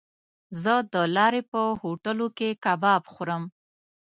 زه د لارې په هوټلو کې کباب خورم.